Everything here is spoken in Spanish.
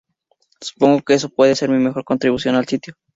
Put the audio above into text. Supongo que eso pudo ser mi mejor contribución al sitio.